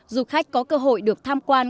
du khách có cơ hội được tham quan